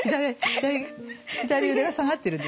左腕が下がってるんですよ。